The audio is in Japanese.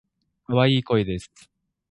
可愛い声です。